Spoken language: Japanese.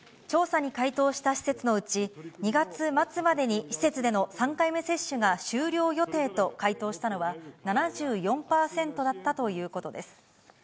調査に回答した施設のうち、２月末までに施設での３回目接種が終了予定と回答したのは、７４％だったということです。